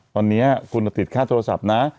ตอนนี้คุณติดค่าโทรศัพท์นะ